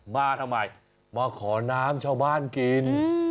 มาทำไมมาขอน้ำชาวบ้านกิน